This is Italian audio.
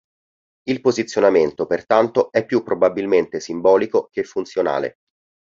Il posizionamento, pertanto, è più probabilmente simbolico che funzionale.